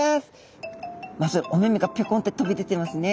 まずお目目がぴょこんと飛び出てますね。